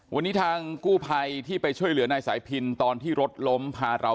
วันนี้ทางกู้ภัยที่ไปช่วยเหลือนายสายพินตอนที่รถล้มพาเรา